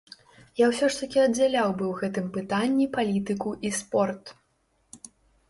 Я ўсё ж такі аддзяляў бы ў гэтым пытанні палітыку і спорт.